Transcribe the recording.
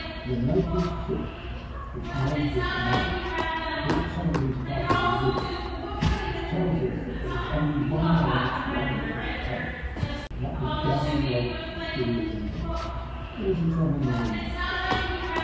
The naked foot which made this mark brought some of these parti cles with it, which tells us that there was only one way in which the owner could have come, and that was down a rope and through the window. Let us examine the window."